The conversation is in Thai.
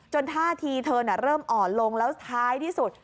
ท่าทีเธอเริ่มอ่อนลงแล้วท้ายที่สุด